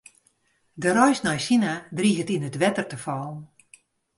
De reis nei Sina driget yn it wetter te fallen.